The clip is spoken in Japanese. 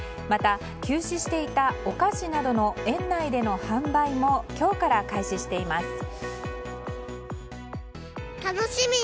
また休止していたお菓子などの園内での販売も今日から開始しています。